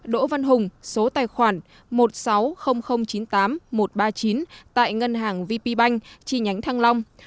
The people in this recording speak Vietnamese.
đỗ văn hùng số tài khoản một sáu không không chín tám một ba chín tại ngân hàng vp banh chi nhánh thăng long